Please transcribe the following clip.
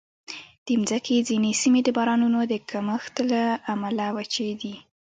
د مځکې ځینې سیمې د بارانونو د کمښت له امله وچې دي.